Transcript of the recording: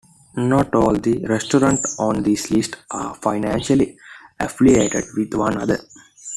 Not all of the restaurants on this list are financially affiliated with one other.